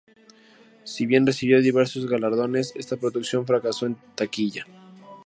Si bien recibió diversos galardones, esta producción fracasó en taquilla.